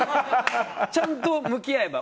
ちゃんと向き合えば。